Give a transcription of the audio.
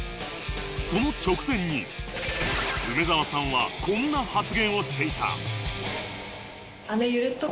その直前に梅澤さんはこんな発言をしていた